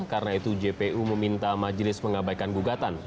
karena itu jpu meminta majelis mengabaikan gugatan